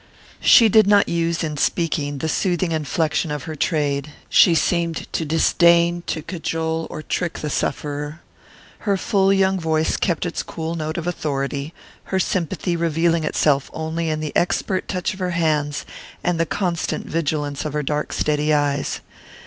She did not use, in speaking, the soothing inflection of her trade: she seemed to disdain to cajole or trick the sufferer. Her full young voice kept its cool note of authority, her sympathy revealing itself only in the expert touch of her hands and the constant vigilance of her dark steady eyes.